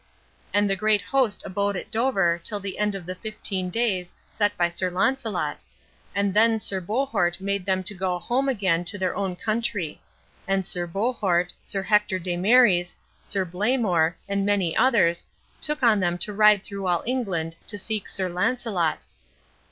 And the great host abode at Dover till the end of the fifteen days set by Sir Launcelot, and then Sir Bohort made them to go home again to their own country; and Sir Bohort, Sir Hector de Marys, Sir Blamor, and many others, took on them to ride through all England to seek Sir Launcelot.